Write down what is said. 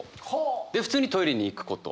で普通にトイレに行くこと。